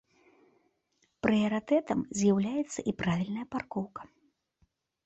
Прыярытэтам з'яўляецца і правільная паркоўка.